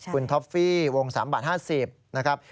คุณท็อฟฟี่วง๓บาท๕๐นะครับ